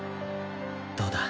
どうだ？